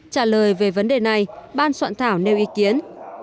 trả lời về vấn đề này ban soạn thảo nêu ý kiến